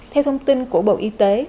theo thông tin của bộ y tế